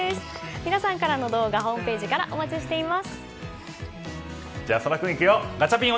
皆さんからの動画ホームページからじゃあ、大空君いくよ。